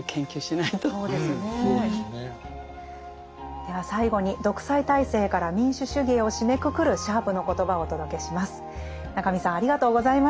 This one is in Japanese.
では最後に「独裁体制から民主主義へ」を締めくくるシャープの言葉をお届けします。